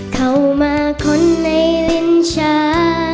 เข้ามาคนในลิ้นชา